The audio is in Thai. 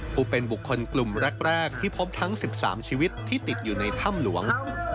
ผู้เป็นบุคคลกลุ่มแรกที่พบทั้ง๑๓ชีวิตที่ติดอยู่ในถ้ำหลวง